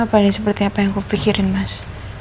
apa ini seperti apa yang kupikirin mas